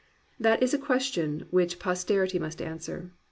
That is a question which Posterity must answer.